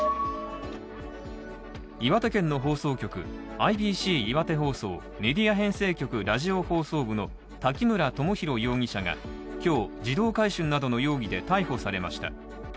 岩手県の放送局、ＩＢＣ岩手放送、メディア編成局ラジオ放送部の滝村知大容疑者が、今日、児童買春などの容疑で逮捕されました。